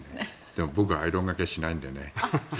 でも僕はアイロンがけしないので。